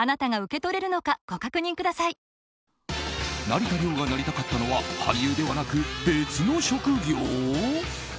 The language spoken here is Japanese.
成田凌がなりたかったのは俳優ではなく別の職業？